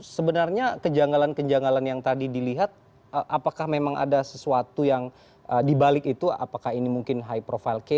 sebenarnya kejanggalan kejanggalan yang tadi dilihat apakah memang ada sesuatu yang dibalik itu apakah ini mungkin high profile case